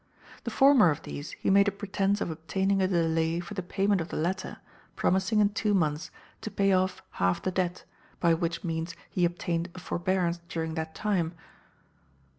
The former of these he made a pretence of obtaining a delay for the payment of the latter, promising, in two months, to pay off half the debt, by which means he obtained a forbearance during that time.